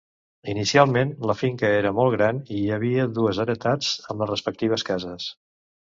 Inicialment, la finca era molt gran i hi havia dues heretats amb les respectives cases.